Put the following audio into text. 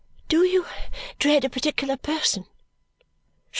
"Do you dread a particular person?"